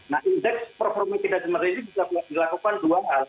nah indeks performa tidak benar ini bisa dilakukan dua hal